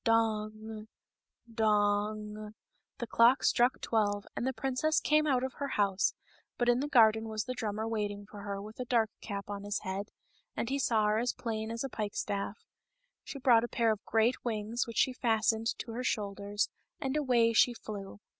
''" Dong ! Dong !" The clock struck twelve, and the princess came out of her house ; but in the garden was the drummer waiting for her with the dark cap on his head, and he saw her as plain as a pikestaff. She brought a pair of great wings which she fastened to her shoulders, and away she flew.